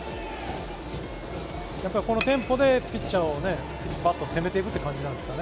やっぱりこのテンポでピッチャーを攻めていくという感じですか。